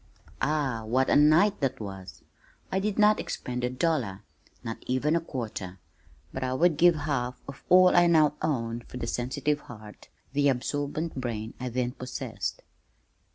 Ah, what a night that was! I did not expend a dollar, not even a quarter, but I would give half of all I now own for the sensitive heart, the absorbent brain I then possessed.